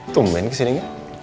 tungguin kesini gak